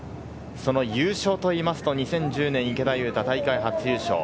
その優勝といいますと２０１０年、池田勇太大会初優勝。